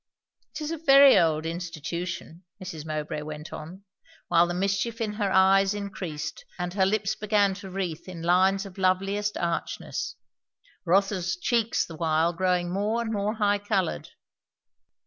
"It is a very old institution" Mrs. Mowbray went on, while the mischief in her eyes increased and her lips began to wreathe in lines of loveliest archness; Rotha's cheeks the while growing more and more high coloured.